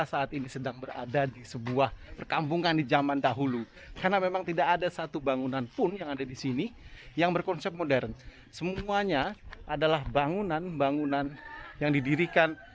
sampai jumpa di video selanjutnya